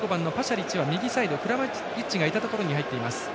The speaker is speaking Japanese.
リッチは右サイドクラマリッチがいたところ入っています。